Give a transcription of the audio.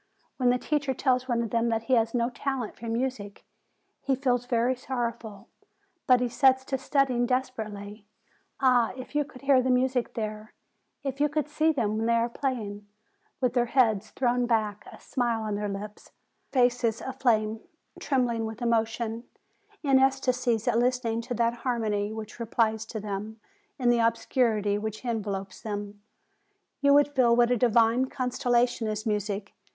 When the teacher tells one of them that he has no talent for music, he feels very sorrow ful, but he sets to studying desperately. Ah! if you could hear the music there, if you could see them when they are playing, with their heads thrown back, a smile on their lips, their faces aflame, trembling with emo tion, in ecstasies at listening to that harmony which re plies to them in the obscurity which envelops them, you would feel what a divine consolation is music!